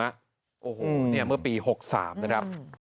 โอ้โหเนี่ยเมื่อปี๖๓นะครับ